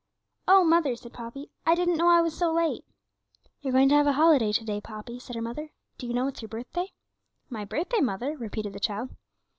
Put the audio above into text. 'Oh, mother,' said Poppy, 'I didn't know I was so late.' 'You're going to have a holiday to day, Poppy,' said her mother; 'do you know it's your birthday?' 'My birthday, mother?' repeated the child.